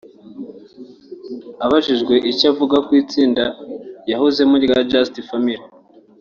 Abajijwe icyo avuga ku itsinda yahozemo rya Just family